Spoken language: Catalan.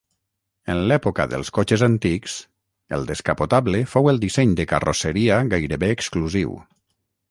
En l'època dels cotxes antics, el descapotable fou el disseny de carrosseria gairebé exclusiu.